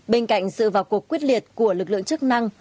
bên cạnh sự vào cuộc quyết liệt của lực lượng chức năng